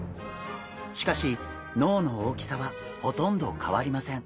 しかし脳の大きさはほとんど変わりません。